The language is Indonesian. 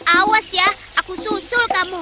awes ya aku susul kamu